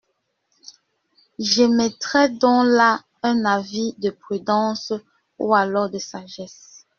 J’émettrai donc là un avis de prudence, ou alors de sagesse.